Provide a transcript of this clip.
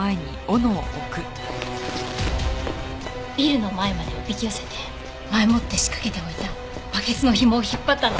ビルの前までおびき寄せて前もって仕掛けておいたバケツの紐を引っ張ったの。